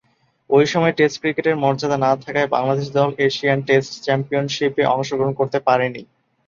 ঐ সময়ে টেস্ট ক্রিকেটের মর্যাদা না থাকায় বাংলাদেশ দল এশিয়ান টেস্ট চ্যাম্পিয়নশীপে অংশগ্রহণ করতে পারেনি।